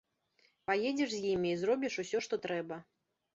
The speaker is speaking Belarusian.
Паедзеш з імі і зробіш усё, што трэба.